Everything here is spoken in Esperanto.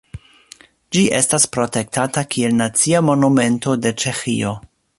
Ĝi estas protektata kiel Nacia Monumento de Ĉeĥio.